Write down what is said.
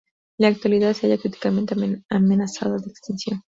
En la actualidad se halla críticamente amenazado de extinción.